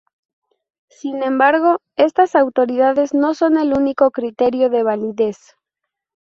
Sin embargo, estas autoridades no son el único criterio de validez.